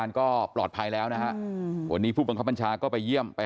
รักแล้วเขาจะไม่ลืม